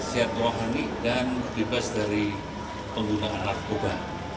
sehat wahani dan bebas dari penggunaan narkoba